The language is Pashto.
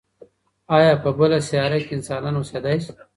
ایا په بله سیاره کې انسانان اوسېدای شي؟